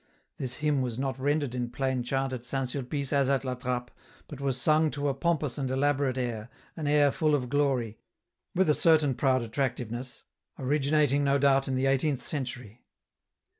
This hymn was not rendered in plain chant at St. Sulpice as at La Trappe, but was sung to a pompous and elaborate air, an air full of glory, with a certain proud attractiveness, originating no doubt in the eighteenth century.